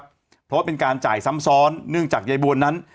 เพราะว่าเป็นการจ่ายซ้ำซ้อนเนื่องจากยายบวนนั้น